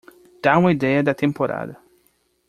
Dá uma ideia da temporada.